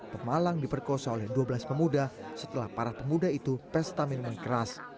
pemalang diperkosa oleh dua belas pemuda setelah para pemuda itu pestamin mengkeras